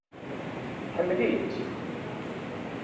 Tḥemmel-itt?